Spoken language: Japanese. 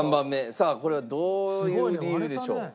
さあこれはどういう理由でしょう？